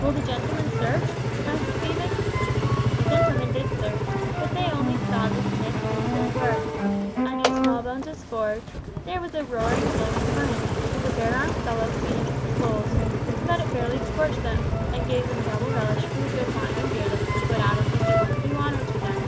"Will the gentlemen search?" asked Stephen. The gentlemen did search, but they only saw the smiths in full work; and in Smallbones' forge, there was a roaring glowing furnace, with a bare armed fellow feeding it with coals, so that it fairly scorched them, and gave them double relish for the good wine and beer that was put out on the table to do honour to them.